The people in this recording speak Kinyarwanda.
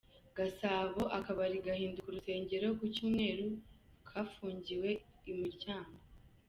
Gasabo Akabari gahinduka urusengero ku cyumweru kafungiwe imiryango